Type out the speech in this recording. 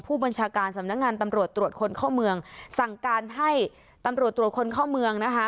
ผู้บัญชาการสำนักงานตำรวจตรวจคนเข้าเมืองสั่งการให้ตำรวจตรวจคนเข้าเมืองนะคะ